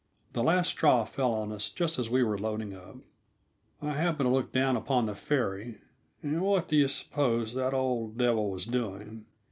The last straw fell on us just as we were loading up. I happened to look down upon the ferry; and what do you suppose that old devil was doing?